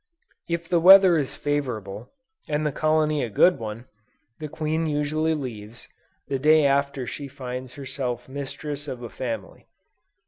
If the weather is favorable, and the colony a good one, the queen usually leaves, the day after she finds herself mistress of a family.